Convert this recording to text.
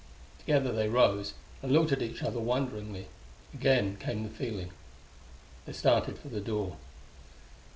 Together they rose, and looked at each other wonderingly. Again came the feeling. They started for the door.